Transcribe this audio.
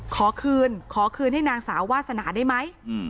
ขอคืนขอคืนให้นางสาววาสนาได้ไหม